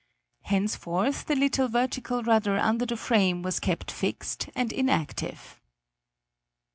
Henceforth the little vertical rudder under the frame was kept fixed and inactive.